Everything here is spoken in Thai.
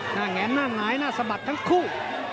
หน้าแงนหน้าไหนหน้าสะบัดทั้งคู่